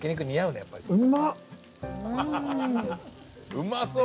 うまそう！